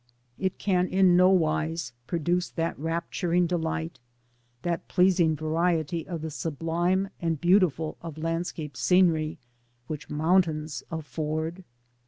It can in no wise produce that rapturing delight, that pleasing variety of the sublime and beautiful of land scape scenery which mountains afford.